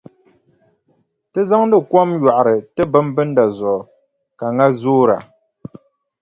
Ti zaŋdi kom yɔɣiri ti bimbinda zuɣu ka ŋa zoora.